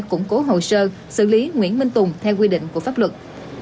củng cố hồ sơ xử lý nguyễn minh tùng theo quy định của pháp luật